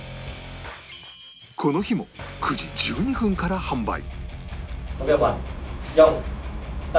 この日も９時１２分から販売